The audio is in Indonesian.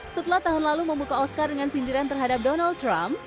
setelah tahun lalu membuka oscar dengan sindiran terhadap donald trump